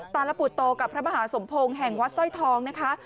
ตาลปุตโตกับพระมหาสมพงศ์แห่งวัดสร้อยทองนะคะ